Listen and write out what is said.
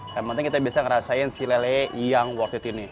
yang penting kita bisa ngerasain si lele yang worth it ini